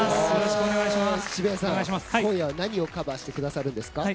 渋谷さん、今夜は何をカバーしてくださるんですか？